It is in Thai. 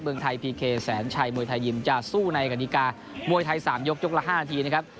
เมืองไทยพีเคแสนชัยมวยไทยยิมจะสู้ในกฎิกามวยไทย๓ยกยกละ๕นาทีนะครับ